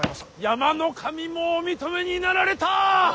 山の神もお認めになられた！